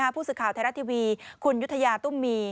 ผู้สื่อข่าวไทยรัฐทีวีคุณยุธยาตุ้มมี